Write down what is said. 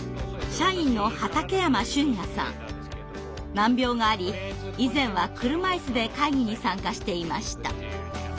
難病があり以前は車いすで会議に参加していました。